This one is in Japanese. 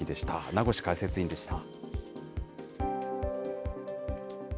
名越解説委員でした。